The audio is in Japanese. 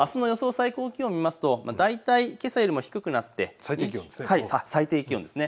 最高気温を見ますと大体けさよりも低くなって、最低気温です。